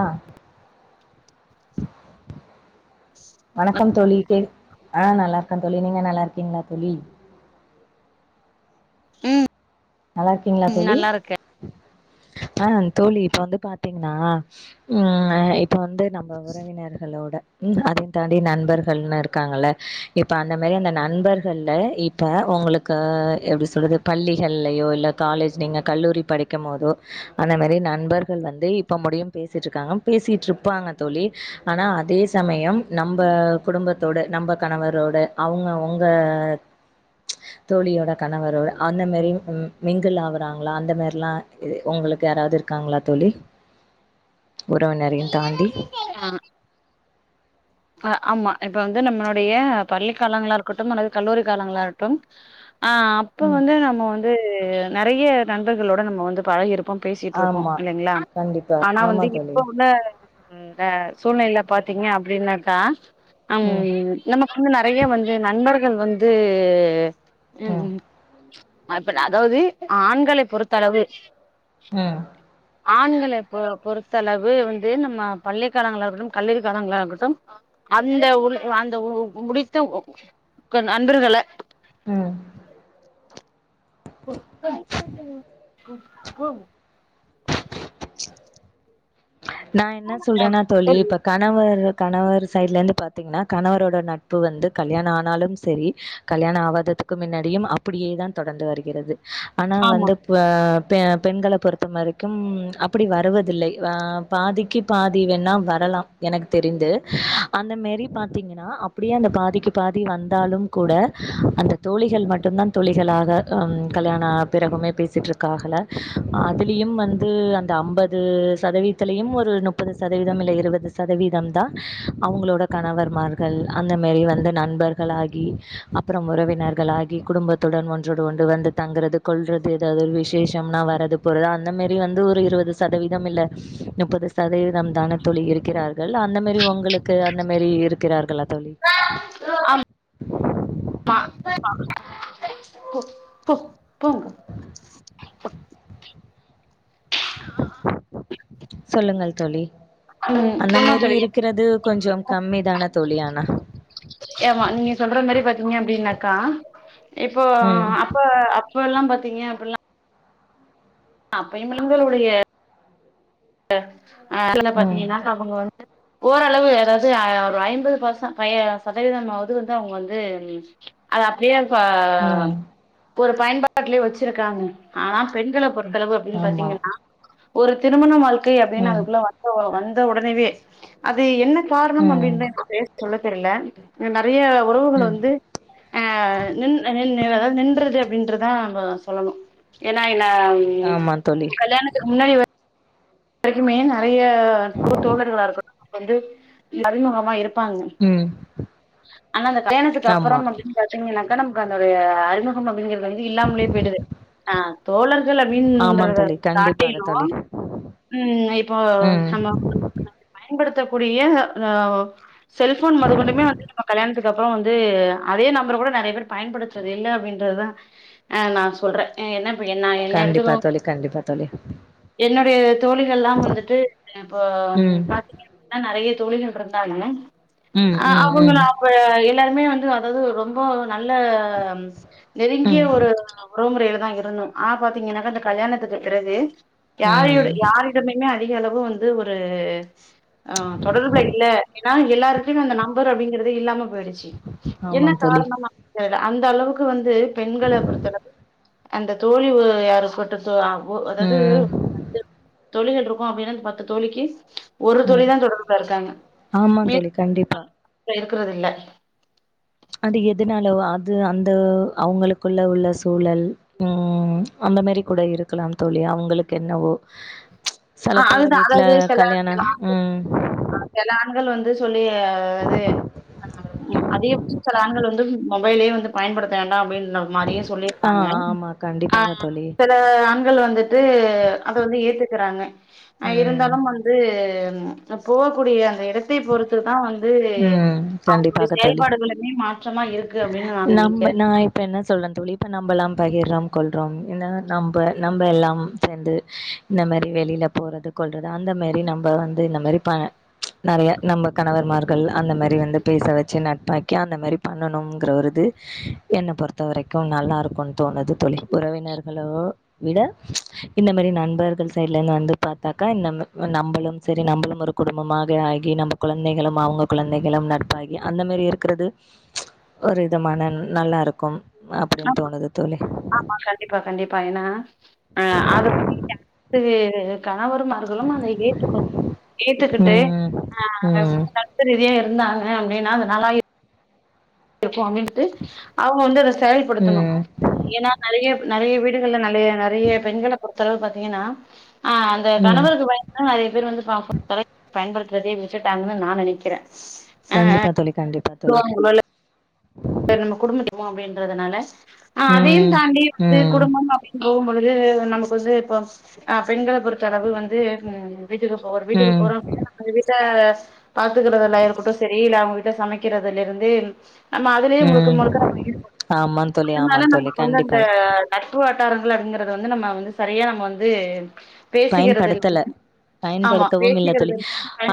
அஹ் வணக்கம் தோழி கேன் ஆஹ் நல்லா இருக்கே தோழி நீங்க நல்லா இருக்கீங்களா தோழி உம் நல்லாருக்கீங்களா தோழி ஆஹ் தோழி இப்ப வந்து பாத்தீங்ன்னா உம் எ இப்போ வந்து நம்ம உறவினர்களோட உம் அதையு தாண்டி நண்பர்கள்னு இருக்காங்கல்ல இப்ப அந்த மாரி அந்த நண்பர்கள்ல இப்ப ஒங்களுக்கு எப்டி சொல்றது பள்ளிகள் லயோ இல்ல காலேஜ் நீங்க கல்லூரி படிக்கும்போதோ ஆனா நெறைய நண்பர்கள் வந்து இப்ப முடியு பேசிட்ருக்காங்க பேசிட்ருப்பாங்க தோழி ஆனா அதே சமயம் நம்ப குடும்பத்தோட நம்ப கணவரோட அவ்ங்க ஒங்க தோழியோட கணவரோட அந்த மாரி உம் மிங்கில் ஆவுறாங்ளா அந்த மார்லா இ உங்களுக்கு யாராவ்து இருக்காங்ளா தோழி உறவினரையு தாண்டி அஹ் அஹ் ஆமா இப்ப வந்து நம்மளுடைய பள்ளிக் காலங்களா இருக்கட்டும் அல்லது கல்லூரி காலங்களா இருக்ட்டும் ஆஹ் அப்போ ம் வந்து நம்ம வந்து து நெறைய நண்பர்களோட நம்ம வந்து பழகிருப் போ பேசிட்ருப்போ ஆமா இல்லைங்ளா கண்டிப்பா ஆனா ஆமா வந்து தோழி இப்ப உள்ள இது உம் க சூழ்நிலைல பாத்தீங்க அப்டின்னாக் கா அம் ம் நம்ம இன்னு நெறைய வந்து நண்பர்கள் வந்து உம் ம் உம் அப்பற அதாவ்து ஆண்கள பொறுத்தளவு உம் ஆண்கள பொ பொறுத்தளவு வந்து நம்ம பள்ளி காலங்களா இருக்கட்டும் கல்லூரி காலங்களா இருக்கட்டும் அந்த உன் அந்த உ முடித்த க நண்பர்கள உம் போ க போ போ ஹம் நா என்ன சொல்றனா தோழி இப்ப கணவர் வ கணவர் சைட்லருந்து பாத்திங்னா கணவரோட நட்பு வந்து கல்யாண ஆனாலும் செரி கல்யாண ஆவாததுக்கு முன்னாடியும் அப்பிடியே தான் தொடர்ந்து வருகிறது ஆனா ஆமா வந்து பியான் பெ பெண்கள பொறுத்த மரைக்கும் அப்டி வருவதில்லை ஆஹ் பாதிக்கு பாதி வேன்னா வரலா எனக்கு தெரிந்து அந்த மாரி பாத்தீங்கனா அப்டியே அந்த பாதிக்கு பாதி வந்தாலும் கூட அந்த தோழிகள் மட்டுந்தான் தோழிகளாக அஹ் கல்யாண பிறகுமே பேசிட்ருக்காகலா அதுலயும் வந்து அந்த அம்பது சதவீத் இத்துலியும் ஒரு முப்பது சதவீதம் இல்ல இருவது சதவீதம் தா அவ்ங்ளோட கணவர்மார்கள் அந்த மாரி வந்த நண்பர்களாகி அப்பறம் உறவினர்கள் ஆகி குடும்பத்துடன் ஒன்றோடு ஒன்று வந்து தங்குறது கொல்றது எதாவ்தொரு விசேஷம்னா வாரது போறது அந்த மாரி வந்து ஒரு இருவது சதவீதம் இல்ல முப்பது சதவீதம் தான தோழி இருக்கிறார்கள் அந்த மாரி ஒங்களுக்கு அந்த மாரி இருக்கிறார்களா தோழி இல்ல அம் சாப்டே சாப்டே குக் குக் கூ சொல்லுங்கள் தோழி உம் அந்த ஏ மாரி அப்டி இருக்கிறது கொஞ்சம் கம்மி தான தோழி ஆனா ஆமா நீங்க சொல்ற மாரி பாத்தீங்கனா அப்டிதா க்கா இப்போ ம் அப்ப அப்ப எல்லாம் பாத் தீங்க அப்டினா அஹ் அப்பய்லைமே ஒரு அஹ் ஆக்சுலா ம் பாத்தீங்கனா கோட்டமே வந்து ஓரளவு அதாவ்து ஒரு ஐம்பது பர்ச ஃப்பை சதவீதமாவ்து வந்து அவங்க வந்து அது அப்டியே ப ம் ஒரு பயன்பாட்லே வச்சிருக்காங்க ஆனா பெண்கள பொற் எத்ளவு அப்டின் ஆமா பாத்தீங்கன்னா ஒரு திருமண வாழ் கி அப்டின்னு ம் அதுக்குள்ள வந்தவொ வந்து த ஒடனவே அது என்ன கார்ணம் ம் அப்டின்னு பேர் சொல்ல தெர்ல ஏன்டா றியள உறவுகள் ம் வந்து நின் நின்றது அப்டின்ருதா சொல்லணு ஏன்னா என்ன ஆமா தோழி கல்யாணத்துக்கு முன்னாடி வரைக்குமே நெறைய தோழர்களாருக்கட்டு நமக்கு வந்து அறிமுகமா இரு ப்பாங்க ம் ஆனா அந்த கல்யாணத்துக்கு ஆமா அப்புறம் அப்படின்னு பாத்திங்கனாக்க நமக்கு அந்தொரு அறிமுகம் அப்டிங்கறது வந்து இல்லாமலே போயிடுது ஆ தோழர்கள் ஆமா அப்டின்றத தோழி கண்டிப்பாக காட்டிலு தோழி ம் இப்ப ம் நம்ம பயன்படுத்தக்கூடிய அ செல்ஃபோன் மொதற்கொண்டுமே வந்து நம்ம கல்யாணத்துக்கு அப்பற வந்து அதே நம்பர் கூட நெறைய பேர் பயன்படுத்துறது இல்ல அப்டின்றதுதா அ நா சொல்ற என்ன இப்ப என்ன என்ன கண்டிப்பா எடுத்துக்கோ தோழி கண்டிப்பா தோழி தோழிகல்லா வந்துட்டு இப்பொ ம் பாத்திங்க அப்டினா நெறைய பேர் நெறைய தோழிகள் இருந்தாங்க ம் ஆ ம் அவங்கள ம் அவங்க எல்லாருமே வந்து அதாவது ரொம்ப நல்ல நெருங்கிய ம் ஒரு உறவுமுறைல தா இருந்தோ ஆனா பாத்திங்கனாக்க இந்த கல்யாணத்துக்கு பிறகு யாரு ம் யாரிடமிமே அதிகளவு வந்து ஒரு அ தொடர்புல இல்ல ஏனா எல்லாருகிட்டயு அந்த நம்பர் அப்படிங்கறது இல்லாம போயிடுச்சு ஆமா என்ன தோழி காரணமா அந்த அளவுக்கு வந்து பெண்கள பொறுத்த அந்த தோழிவு யாரு கூ து அதாது ம் தோழிகள் இருக்கும் அப்படின்னனு பாத்து தோழிக்கு ஒரு தோழி ம் தா தொடர்புல இருக்காங்க ஆமா தோழி கண்டிப்பா இருக்கறதில்ல அது எதுனாலோ அது அந்த அவங்களுக்குள்ள உள்ள சூழல் உஹம் அந்த மாரி கூட இருக்கலாம் தோழி அவங்களுக்கு என்னவோ சில ஆஹ் பேர் அதுதா வீட்ல அதாவது சில கல்யாண ஆ ம் ஆ சில ஆண்கள் வந்து சொல்லி அதே அது ஆண்கள் வந்து மொபைலே வந்து பயன்படுத்த வேண்டா அப்டின்னு மாரியு ஆ சொல்லிருக்காங்க ஆமா கண்டிப்பாக தோழி சில ஆ வந்துட்டு வந்து அத வந்து ஏத்துக்குறாங்க அஹ் ம் இருந்தாலும் வந்து ஹ போகக்கூடிய அந்த இடத்தை பொறுத்து தா வந்து ம் ந்து அவங்களுடைய கண்டிப்பாக தோழி செயல்பாடுகளுமே மாற்றமா இருக்கு அப்டின்னு நானுமே நம்ம நெனைக்கிற நான் இப்ப என்ன சொல்றேன் தோழி இப்ப நம்ம எல்லா பகிர்றோம் கொல்றோம் இந்த நம்ம நம்ம எல்லாம் சேர்ந்து இந்த மாதிரி வெளில போறது கொல்றது அந்த மாரி நம்ம வந்து இந்த மாரி நெறைய நம்ம கணவர் மார் இரு கள் அந்த மாரி பேச வெச்சு நட்பாயிக்கி அந்த மாரி பண்ணுங்கிறது என்ன பொறுத்த வரைக்கு நல்லா இருக்குனுது தோழி உறவினர்களோ விட இந்த மாரி நண்பர்கள் சைடுல இருந்து வந்து பாத்தாக்கா ஒரு குடும்பமாக ஆகி நம்ம குழந்தைகளும் அவங்க குழந்தைகளும் நட்பாகி அந்த மாரி இருக்கிறது ஒரு விதமான நல்லா இருக்கும் ஆமா அப்டின்னு தோணுது தோழி ஆமா கண்டிப்பா கண்டிப்பா ஏன்னா ஆஹ அத வந்து அனைத்து கணவர்மார்களும் அத ஏத்துக்கணும் ஏத்துக்கிட்டு ம் ம் சத்து ரீதியா இரு இருந்தாங்க அப்டின்னா அதுனாலா இருக்கு அப்டின்டு அவங்க வந்து செயல்படுத்தணு ம் ஏன்னா நெறைய நெறைய வீடுகள்ல நெறைய நெறைய பெண்கள பொறுத்தளவு பாத்தீங்கன்னா ஆஹ் அந்த ம் கணவருக்கு பயந்து தா நெறைய பேர் வந்து பா பயன் படுத்துறதையே விட்டுடாங்கன்னு நா நெனைக்கிற கண்டிப்பா தோழி கண்டிப்பா தோழி நம்ம குடும்ப [unintelligible] அப்டின்றதால ஆஹ் அதையு ம் தாண்டி வந்து ம் குடும்பம் அப்பட போகும் பொழுது நமக்கு வந்து இப்போ பெண்கள பொறுத்த அளவு வந்து உ வீட்டுக்கு போ வீட்டுக்கு ம் போறோ அந்த வீட்ட பாத்துக்கறதா இருக்கட்டு செரி இல்ல அவங்க வீட்ட சமைக்கிறதுல இருந்து நம்ம அதுலையே முழுக்க ம் முழுக்க நம்ம ஈடுப ஆமா தோழி அதனால ஆமா தோழி நமக்கு வந்து அந்த கண்டிப்பா நட்ப வட்டாரங்கள் அங்கறிறது வந்து நம்ம வந்து சரியா நம்ம வந்து பேசிக்கிறது பயன்படுத்தல இல்ல ஆமா பயன்படுத்தவும் இல்ல பேசிக்கிறது தோழி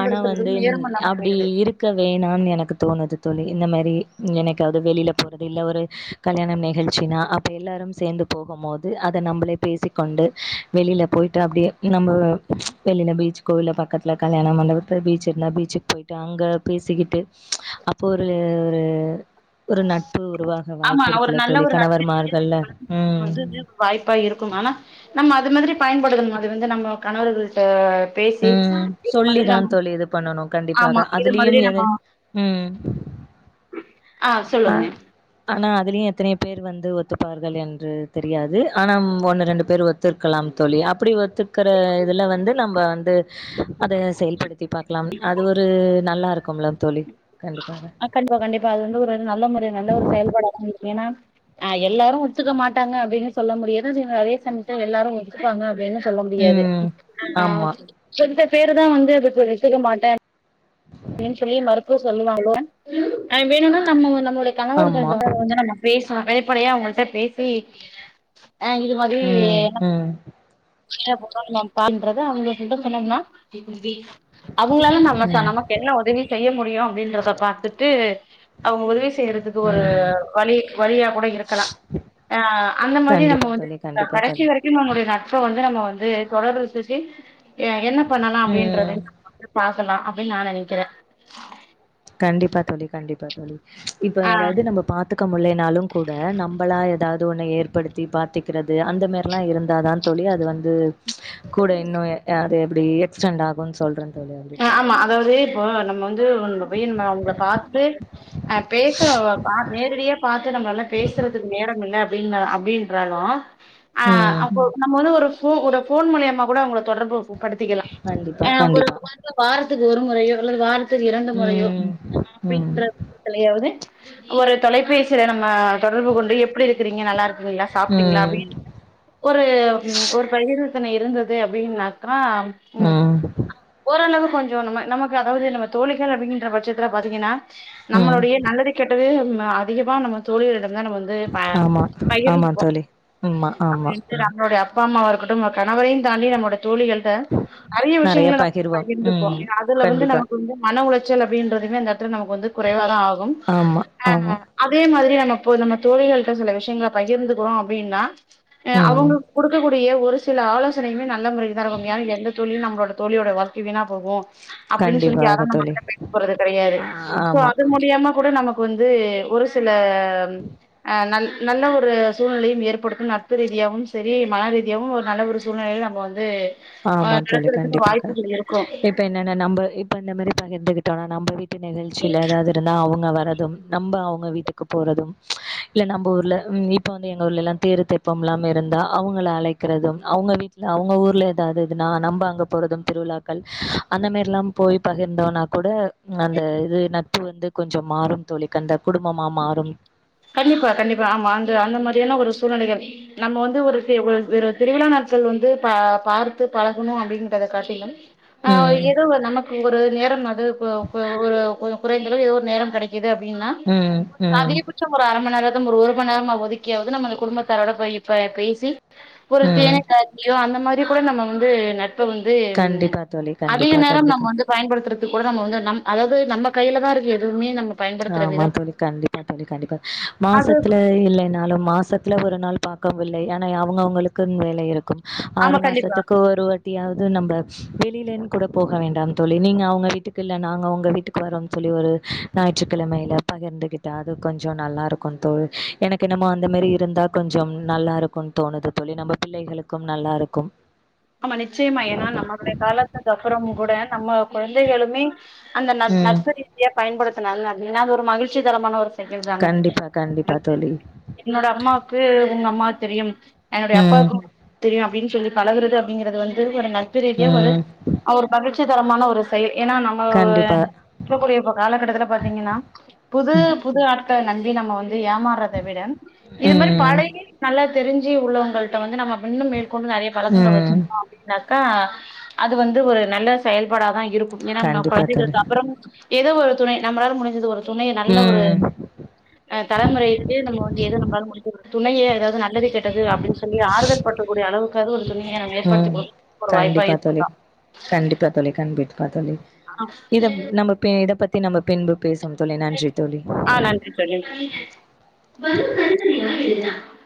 ஆனா வந்து நேரமில்லாம அப்டி போயிடுது இருக்க வேணான்னு எனக்கு தோணுது தோழி இந்த மாரி எனக்காவது வெளில போறது இல்ல ஒரு கல்யாணம் நிகழ்ச்சினா அப்போ எல்லோரும் சேர்ந்து போகும் போது அதை நம்மளே பேசிக்கொண்டு வெளியில் போய் ட்டு அப்டியே நம்ம வெளில பீச் கோவில்ல பக்கத்தில் கல்யாண மண்டபத்தில் பீச் இருந்தால் பீச்சுக்கு போயி்டட்டு அங்கே பேசிக்கிட்டு அப்போ ஒரு ரு ஒரு நட்பு உருவாக ஆமா வாய்ப்பு ஒரு இருக்குல்ல நல்ல தோளி ஒரு நட்பு கணவர்மார்கள்ல உம் வந்து இது பயன்படுத்தணு அது வந்து நம்ம கணவர்களிட்ட உம் சொல்லிதா தோளி இது பண்ணணு ஆமா கண்டிப்பாக இது அதுலயு மாதிரி எதை நம்ம உம் ஆ ஆனா அதுலயு எத்தனைய பேர் வந்து ஒத்துப்பார்கள் என்று தெரியாது ஆனா ஒன்னு ரெண்டு பேர் ஒத்துருக்கலாம் தோளி அப்படி ஒத்துக்கிற இதுல வந்து நம்ம வந்து அத செயல்படுத்தி பாக்கலாம் அது ஒரு நல்லா இருக்கும்ல தோளி ஆ கண்டிப்பா கண்டிப்பா அது வந்து ஒரு நல்ல முறை நல்ல ஒரு செயல்பாட இருக்கு ஏனா ஆ எல்லாரு ஒத்துக்க மாட்டாங்க அப்படின்னு சொல்ல முடியாது நீங்க அதே சமயத்துல எல்லாரு ஒத்துக்குபாங்க அப்படின்னு சொல்ல முடியாது ம் ஆ ஆமா [unintelligible] பேரு தா வந்து அதுக்கு ஒத்துக்கமாட்டே அப்படின்னு சொல்லி மறுப்பு சொல்லுவாங்க வேணும்னா நம்ம நம்ம கணவர்கள் ஆமா வந்து நம்ம பேசி வெளிப்படையா அவங்கள்ட்ட பேசி அ இது மாதிரி ம் ம் [unintelligible] பண்றது அவங்க சொல்ல சொன்னோம்னா அவங்களாலா நம்ம ச ம் நம் உதவி செய்ய முடியு அப்படின்றத பாத்துட்டு அவங்க உதவி டேத்துக்கு ஒரு ம் வழி வழியா கூட இருக்கலா ஆ அந்த மாரி கண்டிப்பா நம்ம வந்து தோழி கண்டிப்பா கடைசி தோழி வரைக்கு நம்மளுடைய நட்ப வந்து நம்ம வந்து து தொடருது சுசி என்ன பண்ணலா அப்படின்றது ம் பா இருக்கலா அப்பிடினு நானெனக்குர நக்கிறே கண்டிப்பாக தோளி கண்டிப்பா தோளி இப்ப ஆ அதாவது நம்ம பாத்துக்க முடியலனா கூட நம்மளா ஏதாவது ஏதோ ஒண்னை ஏற்படுத்தி பாத்துக்கிறது அந்த மாரில்லா இருந்தாத தோளி அது வந்து ம்ச் கூட இன்னு அது அப்பிடி எக்ஸ்டெண்ட் ஆகு சொல்றேன் தோழி அப்டி ஆ சொல்றேன். ஆமா அதாவது இப்போ நம்ம வந்து அவங்க நம்ம வேணுமா உங்கள பாத்துட்டு பேச ஆ நேரடியாக பாத்து நம்மளாள பேசுறதுக்கு நேரோல்ல அப்பிடினு அப்படின்றாலு ஆ ம். அப்போ நம்ம வந்து ஒரு போக்கூடாது ஒருபோன் மூலியமா கூட அவங்க தொடர்பு இருக்கும் படுத்திக்கலாம் கண்டிப்பா, ஒரு கண்டிப்பா. வாரத்துக்கு ஒரு முறையோ அல்லது வாரத்து இரண்டு முறையோ ம். ம். அப்படின்றிலையாவது ஒரு தொலைபேசியில நம்ம தொடர்பு கொண்டு எப்படி இருக்கிறீங்க நல்லா இருக்கீங்களா சாப்பிட்டீங்களா ம். அப்படிஒரு ஒரு ப இருந்தது அப்படின்னாக்கா ஆஹ் ம். உம் அல்லது கொஞ்சம் நமக்கு அதாவது நம்ம தோழிகள் அப்படிங்கிற பட்சத்துல பார்த்தீங்கன்னா ம். நம்மளுடைய நல்லது கேட்டது அதிகமா நம்ம தோழி இடம் நம்ம வந்து ஆமா. ஆமா பகிர்ந்துப்போம் தோழி. ஆமா, ஆமா. நம்மவந்து நம்முடைய அப்ப அப்பா அம்மாவா இருக்கட்டும் கணவரையும் தாண்டி நம்மட தோழிகள்கிட்ட நிறைய நெறைய விஷயங்கள ந பகிர்வோம். ம். பகிர்ந்துப்போம் அதுல வந்து கண்டிப்பா. நமக்கு வந்து மன உளைச்ச சொல் அப்படின்றதுமே நமக்கு வந்து குறைவா தான் ஆகும் ஆமா, ஆமா. அதே மாதிரி ந ப்போ நம்ம தோழிகள்கிட்ட சில விஷயங்களை பகிர்ந்துக்கிறோம் அப்படின்னா ம். அவங்களுக்கு கொடுக்க ஒரு சில ஆலோசனைகளை நல்ல முறை தான் எந்த தோழியும் நம்மோளட தோழியோட வாழ் வீணா போகும் அப்படின்னு சொல்லிட்டு கண்டிப்பாக யாரும் தோழி. நம்மகிட்ட பேச போறது கிடையாது சோ ஆமா. அது மூலியமா கூட நமக்கு வந்து ஒரு சில ந [unintelligible] நல்ல ஒரு சூழ்நிலையும் ஏற்படுத்தும் நட்பு ரீதியாகவும் சரி மன ரீதியாகவும் ஒரு நல்ல ஒரு சூழ்நிலையை நம்ம வந்து ஆ ஆமா தோழி நடக்கறதுக்கு கண்டிப்பாக. வாய்ப்புகள் இருக்கு இப்ப என்னென்ன நம்ம இப்ப இந்த மாதிரி பகிர்ந்து நம்ம வீட்டு நிகழ்ச்சியில் ஏதாவது இருந்தா அவங்க அவ நம்மஅவங்க வீட்டுக்கு போறதும் இல்ல நம்ம ஊர்ல இப்ப வந்து எங்கஊர்ல எல்லாம் தேரு தெப்பம்ல்ல இருந்தா அவங்களை அழைக்கிறதும் அவங்க வீட்டுல அவங்க ஊர்ல அதாவது இதுனா நம்ப அங்க போறதும் திருவிழாக்கள் அந்த மாதிரி எல்லாம் போய் பகிர்ந்தோனா கூட அந்த இது நட்பு வந்து கொஞ்சம் மாறும் தோழிக அந்த குடும்பமா மாறும் கண்டிப்பா கண்டிப்பா ஆமா அந்த அந்த மாதிரியான ஒரு சூழ்நிலைகள் நம்ம வந்து ஒரு வ திருவிழா நாட்கள் வந்து ப பார்த்து பழகணும் அப்படின்றத காட்டியும் ஆஹ் ம் எதுவும் நமக்கு ஒரு நேரம் அது ஒரு குறைந்தளவு ஏதோ ஒரு நேரோ கெடைக்கும் இது அப்டீன்னா ம் ம் அர மணி நேர ஒரு மணி நேரமாவது ஒதுக்கியாவது நம்ம குடும்பத்தாரோட இப்ப போயி பேசி ஒரு ம் தேனக்கலக்கியோ அந்த மாரி இது கூட நம்ம வந்து நட் பு வந்து கண்டிப்பா தோழி அதிக கண்டிப்பா நேரம் நம்ம கண்டிப்பா. வந்து பயன்படுத்துற கூட நம்ம வந்து அதாவது நம் நம்ம கையில தான் இருக்கு எதுவுமே நம்ம பயன்படுத்துற ஆமா விதம் தோழி கண்டிப்பா தோழி கண்டிப்பா அது மாசத்துல இல்லனாலோ மாசத்துல ஒரு நாள் பாக்கவும் இல்லை ஆனா அவுங்கவுங்களுக்கு வேலை இருக்கும் ஆறு ஆமா கண்டிப்பா மாசத்துக்கு ஒருவாட்டியாவது நம்ப வெளியிலேனு கூட போக வேண்டாம்னு சொல்லி நீங்க அவங்க வீட்டுக்கு இல்ல நாங்க உங்க வீட்டுக்கு வரோம்ு சொல்லி ஒரு ஞாயிற்றுக்கிழமையில பகிர்ந்துகிட்டா அது கொஞ்சோ நல்லா இருக்கோ தோழி எனக்கு என்னமோ அந்த மாரி இருந்தா கொஞ்சோ நல்லா இருக்கோனு தோணுது தோழி நம்ம பிள்ளைகளுக்கும் நல்லா இருக்கும் ஆமா நிச்சயமா ஏன்னா நம்மளுடைய காலத்துக்கு அப்புறமும் கூட நம்ம கொழந்தை களுமே அந்த ந ம். நட்பு ரீதியா பயன்படுத் இத்ன நாள் நான் இந்நாள் மகி்ழ்ச்சி தரமான ஒரு கண்டிப்பா, கண்டிப்பா தோழி. [unintelligible] என்னோட அம்மாவுக்கு உங்க அம்மா தெரியும் என்னுடய ம், அப்பாவுக்கு [unintelligible] தெரியும் இப்டீன் சொல்லி பழகுறது அப் டீங்கிறது வந்து ஒரு நல் நட்பு ரீதியா ஒரு ம். அவரு பகீர்ச் சு தரமான ஒரு செயல் ஏனா நம்மோ கண்டிப்பா. இப்பக்கூடிய இப்ப காலகட்டத்துல பாத்தீங்கீனா புதூ புது ஆட் பே நன்றி நம்ம வந்து து ஏமாற்ரத விட இது மாரி ம், பழகி நல்லா தெரிஞ்சி உள்ளவங்கள்ட வந்து நம்ம இன்னும் மேற்கொண்டு நறய பழசங்கள் வெச்சி ம். அக்கா அது வந்து ஒரு நல்ல செயல்பாடாதா இருக்கும் ஏனா நா கண்டிப்பா தோழி கொழந்தைகள்கப்றோ ஏதோ ஒரு துணை நம்மளால முடிஞ்சிது ஒரு துனண நல்ல ஒரூ ம் தலைமுறையிட்டு நம்மோ வந்து எது நம்பலால முடிஞ்சிரு துணையே து அது நல்லது கேட்டது அப்டின் சொல்லி ஆறுதல் பற்றக்கூடிய அளவுக்காது ஒரு துனயா நா முயர்சி உம் கண்டிப்பா தோழி கண்டிப்பா தோழி கண்பிட் பா தோழி இதெப் நம்ம பே இத பத் தி நம்ப பின்பு பேசுவோம் தோழி நன்றி தோழி ஆஹ் நன்றி தோழி